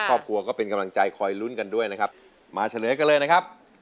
ครอบครัวก็เป็นกำลังใจคอยลุ้นกันด้วยนะครับมาเฉลยกันเลยนะครับ